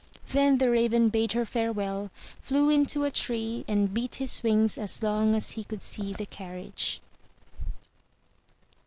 Then the Raven bade her farewell, flew into a tree, and beat his wings as long as he could see the carriage.